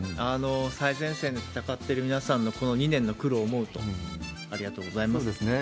最前線で闘ってる皆さんのこの２年の苦労を思うと、ありがとうございますですね。